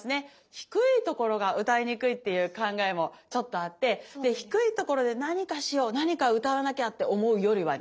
低いところが歌いにくいっていう考えもちょっとあってで低いところで何かしよう何か歌わなきゃって思うよりはね